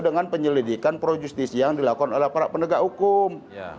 dengan penyelidikan projustis yang dilakukan oleh para penegak hukum